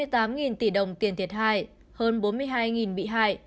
bốn trăm chín mươi tám tỷ đồng tiền thiệt hại hơn bốn mươi hai bị hại